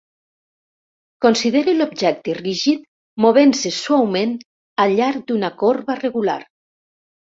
Consideri l'objecte rígid movent-se suaument al llarg d'una corba regular.